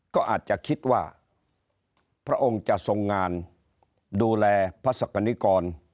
ก็อาจจะคิดว่าพระองค์จะทรงงานดูแลพระศักดิกร